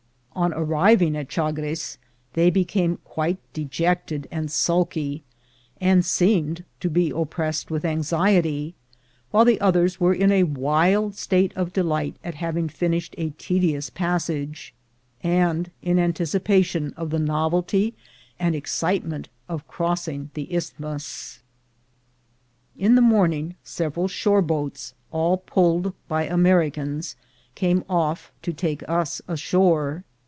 On arriving at Chagres they became quite dejected and sulky, and seemed to be oppressed with anxiety, while the others were in a wild state of delight at having finished a tedious passage, and in anticipation of the novelty and ex citement of crossing the Isthmus. In the morning several shore boats, all pulled by Americans, came off to take us ashore.